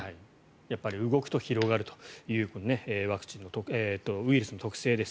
やっぱり動くと広がるというウイルスの特性です。